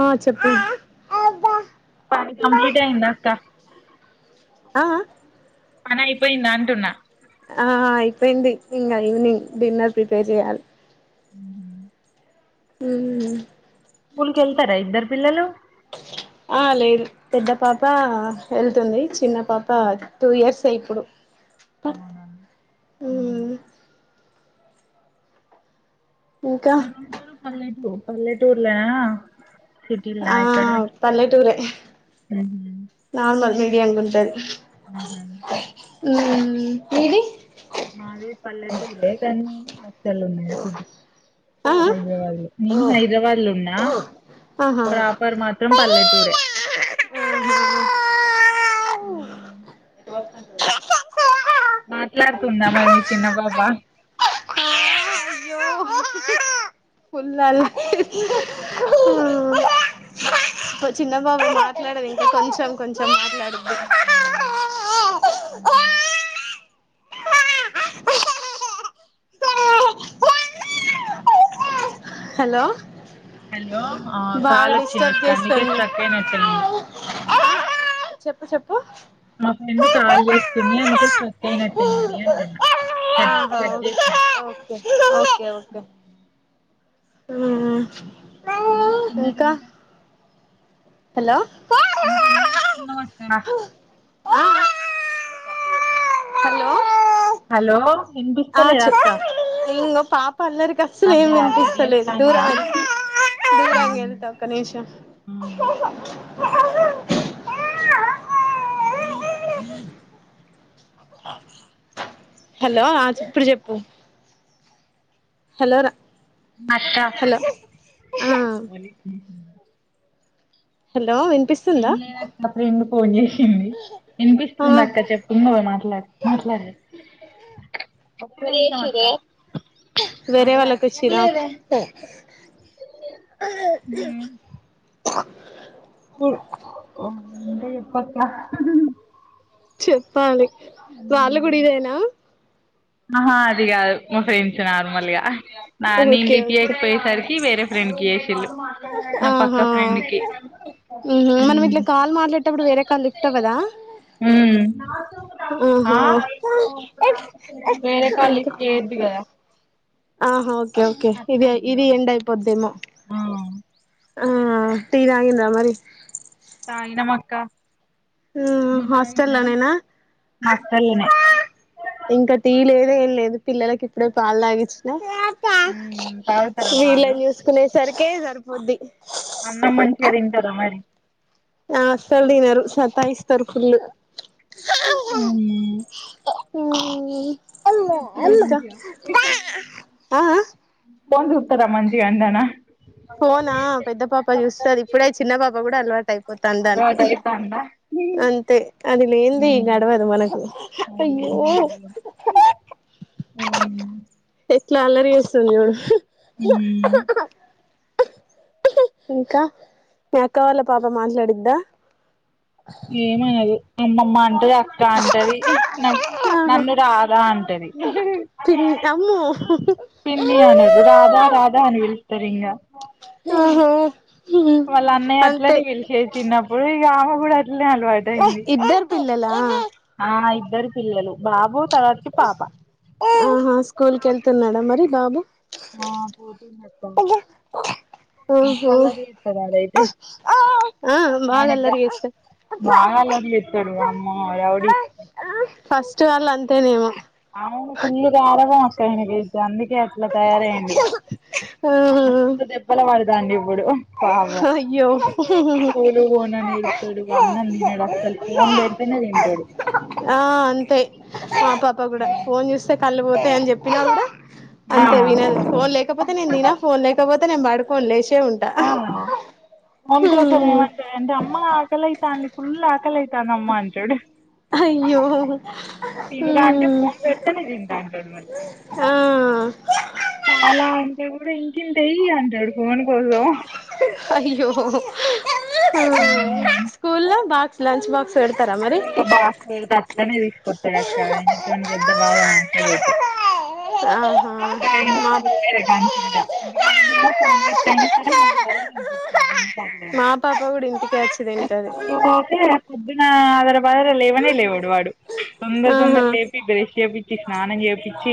ఆ చెప్పు పని కంప్లీట్ అయిందా అక్క అ ఆ పని అయిపోయిందా అంటున్నా ఆ అపోయింది ఇంగా ఈవెనింగ్ డిన్నర్ ప్రిపేర్ చేయాలి హ ఉమ్ స్కూల్ కెళ్తారా ఇద్దరు పిల్లలు ఆ లేదు పెద్ద పాప వెళ్తుంది చిన్న పాప టూ ఇయర్స్ ఇప్పుడు అవునా మ్మ్ ఇంకా ఇక్కడుంటరు పల్లెటూ పల్లెటూర్లా ఆ పల్లెటూరే హు నార్మల్ ఎ నుకుంటది మ్మ్ మీది మాది పల్లెటూరే కానీ అస్థలండే ఆ హైదరాబాద్ లో నేను ఆ హైదరాబాద్ లో ఉన్నా ఆహా ప్రాపర్ మాత్రం పల్లెటు టూరే మ్మ్ ఆహా మాట్లాడుతుందా మరి మీ చిన్న పాప ఫుల్ అల్లర్ హ్హ్ చిన్నపాప మాట్లాడదు ఇంకా కొంచెం కొంచెం మాట్లాడు ఆ మ్మ్ హలో హలో ఆ బాగా కాల్ వచ్చింది డిస్టర్బ్ అక్క అందుకే చేస్తాంది స్ట్రక్ అయినట్టు అయింది చెప్పు చెప్పు మా ఫ్రెండ్ కాల్ చేస్తుంది అందుకే ప్రెస్ అయినట్టుంది అంటున్నా కట్ ఆహా కట్ ఒకే చేసిన ఓకే ఓకే ఓకే ఉమ్ ఎం తిన్నారింకా హలో ఇంక ఏం చేస్తున్నావ్ అక్క ఆ హలో హలో ఆ వినిపిస్తలేదా చె అక్క ఇంగో పాప అల్లరికి అస్సలు ఏమ్ అదే అల్లరి వినిపిస్తలేదు చేస్తాందిగా దూరం వెల్ దూరంగా వెళ్తా అక్క నిమిషం హలో ఆ చిప్పుడు చెప్పు హలో ర ఆ మచ్చపూర్ హలో ఎం వినిపిస్తుందా లేదక్క అప్పుడు ఎందుకు ఫోన్ చేసిండ్రు ఆ వినిపిస్తుంది అక్క చెప్పు ఉన్నదే మాట్లాడు మాట్లాడు ఇగ ఎప్పుడు జేసినవే వేరే వాళ్ళకు ఇచ్చిన [unintelligible] పు హు ఉంటే చెప్పక్క చెప్పాలి వాళ్లు గుడా ఇదేనా ఆహా అది కాదు మా ఫ్రెండ్స్ నార్మల్గా హ నా నేను ఓకే లిఫ్ట్ ఓకే చేయకపోయేసరికి వేరే ఫ్రెండ్ కి చేసిళ్లు నా పక్క ఆహా ఫ్రెండ్ కి ఉహు మనం ఇట్ల ఉమ్ కాల్ మాట్లాడేటప్పుడు వేరే కాల్ లిఫ్ట్ అవ్వదా మ్మ్ ఉహు వేరే కాల్ లిఫ్ట్ చేయొద్దు కదా ఆహా ఒకే ఓకే కట్ ఇది అయిద్ది ఇది ఎండ్ అయిపోద్దేమో ఆ ఆ టీ తాంగిండ్రా మరి తాగినం అక్క మ్మ్ హాస్టల్లో నేనా మా అక్కలనే ఇంకా టీ లేదు ఎం లేదు పిల్లలకి ఇప్పుడే పాలు తాగిచ్చిన ఉమ్ తాగుతారా పాలు వీళ్ళని చూసుకునే సరికే సరిపోద్ది అన్నం మంచిగా తింటారా మరి ఆ అస్సలు తినరు సతా ఇస్ తరుపుళ్ళు ఊ ఇంకా అ ఆ ఫోన్ జూత్తరమ్మంటి అన్నానా ఫోనా పెద్ద పాప చూస్తది ఇప్పుడే చిన్న పాప కూడా అలవా తండానికి అలవాటు అయితాందా అంతే అది లేంది గడవదు మనకు అయ [unintelligible] అవును సాలరీ వస్తుంది చూడు ఊ ఇంకా మ అక్క వాళ్ళ పాప మాట్లాడిద్దా ఏమనదు అమ్మమ్మ అంటది అక్క అంటది నన్ ఆహా నన్ను రాధా అన్ ఉంటది ఉహు పిన్ హు అమ్మో పిన్ని అనద్దు రాధా రాధా అని పిల్స్ సరింగా ఆ హో వాళ్ళ అన్నయ్య అట్లనే పిలిచేది చిన్నప్పుడు ఇక అమ కూడా అట్లనే అలవాటు అయింది. లా ఆ ఇద్దరు పిల్లలు బాబు తర్వాతకి పాప ఆహా స్కూల్ కి వెళ్తున్నాడా మరి బాబు ఆ [inaudible] ఆహా మసలది కదా అది అయితే ఆ బాగా ననిగా అల్లరి చేస్తాడు బాగా అల్లరి చేత్తాడు అమ్మ రౌడీ తేనిమా కనికే అట్లా తయారయ్యండు ఆ మస్త్ దెబ్బల్ పడతాయ్ అని చొప్ పోడు పాపం అయ్యో స్కూలుకి పోనని ఏడుస్తాడు అన్నం తినడు అసలు తన్ బెడ్ పైనే తింటాడు ఆ అంతే మా పాప కూడా ఫోన్ చూస్తే కళ్ళు పోతాయ్ అని చెప్పినా కూడా. ఆ అంతే వినదు ఫోన్ లేకపోతే నేను దిన ఫోన్ లేకపోతే నేను పడుకోను లేచే ఉన్ ఆ అంకుల్ ఫోన్ ఇమ్మంటే అంటే అమ్మ ఆకలి లైతంది ఫుల్ ఆకలి అయితా కనమ్మా అంటాడు అయ్యో తినురా అంటే ఫోన్ పెడతేనే తింటా అంటాడు. ఉన్నాయ్ ఆ చాలా అంటే కూడా ఇంకింత అయి అంటాడు ఫోన్ కోసం. అయ్యో యో ఆ స్కూల్ లో బాక్స్ లంచ బాక్స్ పెడతారా మరి బాక్స్ పెడతా అట్లనే తీసుకొత్తాడు అక్క ఏం చేస్తాం పెద్ద బాగా మాట్లాడైయితే. ఆహా పక్కగా వీడ్ని మా స్కూల్ కి జాయిన్ చేయాలి ఇంగా [unintelligible] మా [unintelligible] పాప కూడా ఇంటికే వచ్చి తింటది. పొద్దున అదర బదర లేవనే లేవుడు వాడు తొందర తొందర ఆహా లేపి బ్రష్ చేపించ్ చ్చి స్నానం చేపించి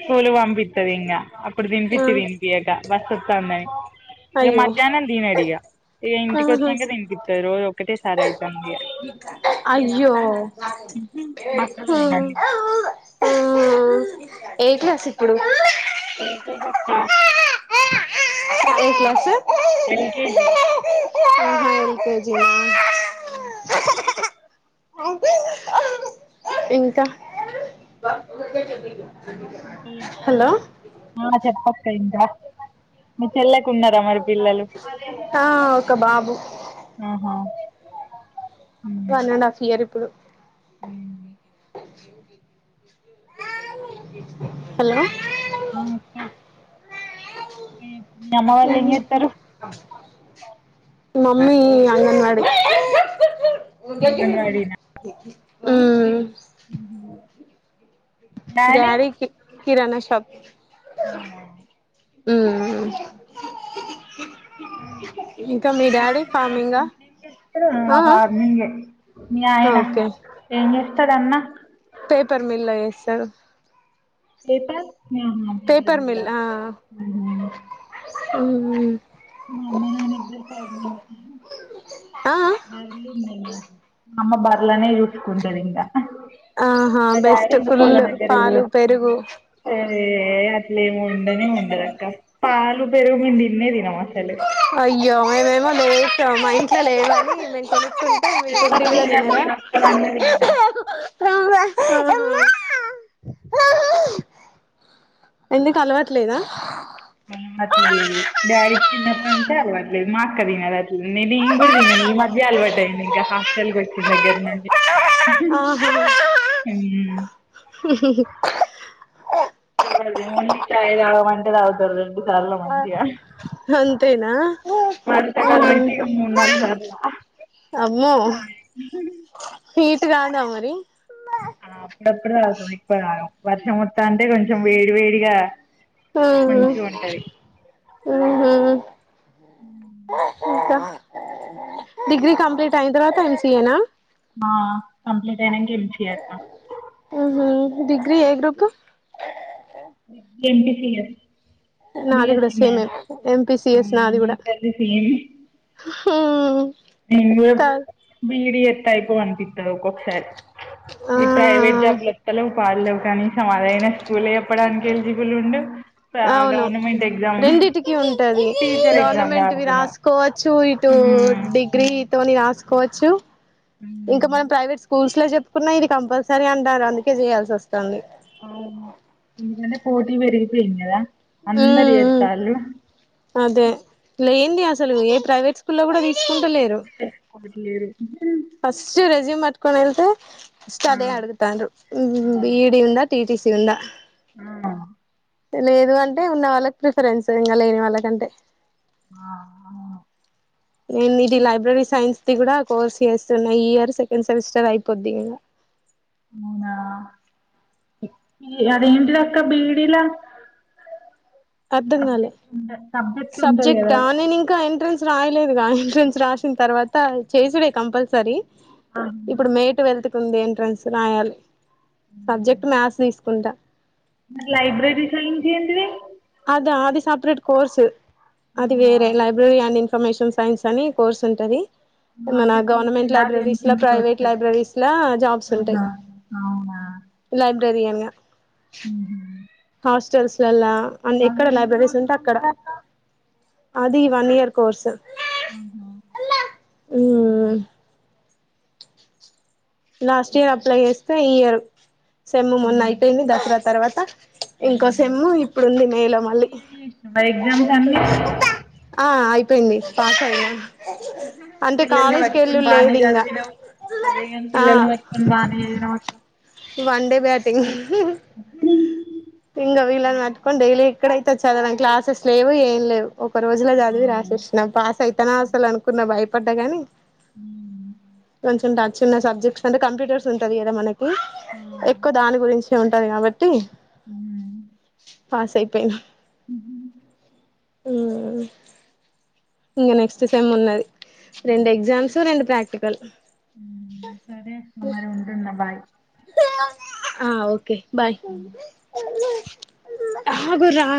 స్కూలు పంపిత్తది ఇంగా అప్పుడు ఆ తినిపిచ్చి తినిపియాక. బస్ వస్తాన్నాయ్ ఇగా అయ్యో మధ్యాహ్నం తినడిగా ఇగా ఇంటికి ఆహా వచ్చానకా తినిపిత్తరు రోజు ఒకటేసారి అయితంది. అయ్యో బక్కగా ఉండండి. ఆ ఏ క్లాస్ ఇప్పుడు ఏం లేదక్క ఏ క్లాసు ఎల్ కె జి ఆహా ఎల్ కె జి నా ఇంకా [inaudible] హలో ఆ చెప్పక్క వింటా మీ చెల్లేకున్నారా మరి పిల్లలు ఆ ఒక బాబు ఆహా వన్ అండ్ హాఫ్ ఇయర్ ఇప్పుడు ఉ [inaudible] హలో ఆ అక్క మీ అమ్మ వాళ్ళు ఏం చెత్తారు మమ్మీ అని అన్నాడు ఉ అంగన్వాడీనా డాడీ కి కిరాణా షాప్ అవునా మ్మ్ ఇంకా మీ డాడీ ఫార్మింగా ఆ హార్నిగే మీ ఆ ఆయన ఓకే ఏం జేస్తాడు అన్న పేపర్ మిల్లో ఎస్తారు. హ్మ్ పేపర్ హు మిల్ ఆ మా అమ్మ నాన్న ఇద్దరు పేపర్ మిల్లే ఆ బర్రెల్ ఉన్నాయ్ మాకు మా అమ్మ బర్లనే జూసుకుంటది ఇంగ ఆహా మాడాడ్ బెస్ట్ ఎందుకో ఫుల్ దాన్ దగ్గరకి పాలు బోయడు పెరుగు పయ ఏ అట్లేమి ఉండనే ఉండదక్క పాలు పెరుగు మేము దిన్నే తినం అస్సలు అయ్యే మేమేమో లేచ మై ఇంక లేదు గాని మేము కొనుకుంటే మీ ఎవ్వరు కుండిగలో తినరు తినరా నేను ఒక్కదాన్నే తింటా ఆహా [unintelligible] ఎందుకు అలవట్లేదా అలవాట్లేదు డాడీకి చిన్నప్పట్నించి అలవాట్లేదు మా అక్క తినదు అట్ల నేన్ గూడ దినను ఈ మధ్య అలవాటు అయింది ఇంకా హాస్టల్ కొచ్చిన దగ్గర నుండి ఆహా ఓన్లీ చాయ్ తాగమంటే తాగుతారు రెండు సార్లు మళ్ళీ య అంతేనా అంత గనం ఉమ్ అయితే ఇగ మూడు నాలుగు సార్లు సారీ హీటు రాదా మరి అప్పుడప్పుడు తాగుతం ఇప్పుడు తాగం వర్షం వత్తంటే కొంచెం వేడి వేడిగా ఓహో మంచిగా ఉంటది ఓహో ఇంకా డిగ్రీ కంప్లీట్ అయిన తర్వాత ఎం సి ఏనా ఆ కంప్లిట్ అయినక ఎం సి చేత్త ఉహు డిగ్రీ ఏ గ్రూపు ఎం. పి. సి. ఎ నాది కూడా సేమే బిఎస్సిమ్యాథ్స్ ఎంపీసిఎస్ అవునా నాది మా కూడా ఇద్దరిది సి ఐ ఉమ్ నిను త బి ఇ డి చేత్తె అయిపోను అనిపిత్తాది ఒక్కొకసారి ఈ ప్రైవేట్ ఆ జాబ్లు వస్తలే పా లేవు కానీ సమాదైన స్కూల్ ఎప్పడానికి ఎలిజిబుల్ ఉండు సా అవును గవర్నమెంట్ ఎగ్జామ్ రెండిటికి ఉంటది టీచర్ ఎగ్జామ్ గవర్నమెంట్వి రాస్తున్నావు రాసుకోవచ్చు ఇటు మ్మ్ డిగ్రీతోని రాసుకోవచ్చు ఇంకా మనం ప్రైవేట్ స్కూల్స్ లో చెప్పుకున్నా ఇది కంపల్సరీ అంటారు అందుకే చేయాల్సి వస్తుంది అవును ఎదైన పోటీ పెరిగిపోయింది కదా అందరూ ఉమ్ ఏత్తాల్లు టి అస్సలు ఏ ప్రైవేట్ స్కూల్లో కూడా తీసుకు లేరు చేసుకోవట్లేరు ఫస్ట్ రెస్యూమ్ ప కొనల్ల్తే ఆ స్టాడీ అడుగుతాడు బి ఇ డి ఉంద టిటిసి ఉంద ఆ లేదు అం వాళ్ళకి ప్రిఫరెన్స్ ఇంగ లేని వాళ్ళకంటే ఆ అవును ఎంది ఇది లైబ్రెరీ సైన్స్ ఇది కూడా కోర్స్ చేస్తున్న ఈ ఇయర్ సెకండ్ సెమిస్టర్ అయిపోద్ది ఇ అవునా అదేంటి అక్క బి. ఇ. డి ల సబ్జెక్ట్స్ ఉంటాయ్ సబ్జెక్ట్ ఆ నేను ఇంకా ఎంట్రెన్స్ రాయలేదు గా ఎంట్రెన్స్ రాసిన తర్వాత చేసుడే కంపల్సరీ ఆహా! ఇప్పుడు మే ట్వెల్త్ కు ఉంది ఎంట్రన్స్ రాయాలి సబ్జెక్ట్ మ్యాథ్స్ తీసుకు తుంట మిక్ లైబ్రరీ సైన్స్ ఎంటిది అదా అది సపరేట్ కోర్స్, అది అవునా ఆ! వేరె లైబ్రరీ అనిన్ ఫమేషన్ సైన్స్ అని కోర్స్ ఉంటది ఎమన అంటే గవర్నమెంట్ పీజీనా లైబ్రరీస్ దేనికి లా, ఇంటికి ప్రైవేట్ వస్తుంది లైబ్రరీస్ లా జాబ్స్ ఉంటయి లైబ్ బ్రెరియన్ గ ఉమ్ హు హాస్టల్సల్లా అన్ని ఎక్కడ ఎన్ని లైబ్రరీస్ ఉంటే రోజులు అక్కడ ఉంటుంది అక్క అదీ వన్ ఇయర్ కోర్స్ అవునా మ్మ్ లాస్ట్ ఇయర్ అప్లై చేస్తే, ఈ ఇయర్ సెమ్ మొన్న అయిపోయింది దసరా తర్వాత ఇంకో సెమ్ ఇప్పుడుంది మే లో మళ్ళీ. క్లియర్ చేసినావా ఎగ్జామ్స్ అన్ని ఆ అయిప్ అంటే పిల్లల్ని కాలేజ్కి బట్టుకొని వెళ్ళుడు బానే లేదు ఇంగా జదివినవ్ అదే గన్ ఆ పిల్లల్ని బట్టుకొని బానే చదివినవక్క వన్ డే బ్యాటింగ్ ఇంగ వీళ్ళని బట్టుకొని డైలీ ఎక్కడైతది చదవడం క్లాసెస్ లేవు ఏం లేవు. ఒక రోజుల ఆ జదివి రాసేస్న, పాస్ అయితనా అసలు అనుకున్నా భయపడ్డ గని హ్మ్. కొంచెం టచ్ ఉన్న సబ్జెక్ట్స్ అంటే కంప్యూటర్స్ ఉంటది గద మనక్ కి ఆ ఎక్కువ దాని గురించే ఉంటది గాబట్టి పాసయిపోయిన ఉమ్ హు హ్మ్ ఉమ్ ఇంగ నెక్స్ట్ సెమ్ ఉన్నది. రెండు ఎగ్జామ్స్, రెండు ప్రాక్టికల్ ఉమ్ సరే అక్క మరి ఉంటన్న బాయ్. ఆ ఓకే బాయ్, ఆగు రా